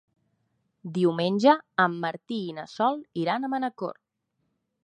Diumenge en Martí i na Sol iran a Manacor.